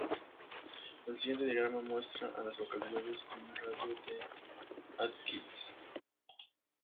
El siguiente diagrama muestra a las localidades en un radio de de Atkins.